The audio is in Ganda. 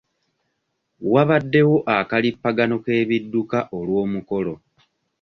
Wabaddewo akalipaggano k'ebidduka olw'omukolo.